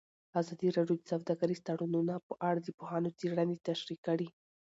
ازادي راډیو د سوداګریز تړونونه په اړه د پوهانو څېړنې تشریح کړې.